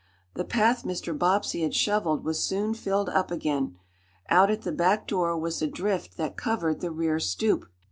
The path Mr. Bobbsey had shoveled was soon filled up again. Out at the back door was a drift that covered the rear stoop.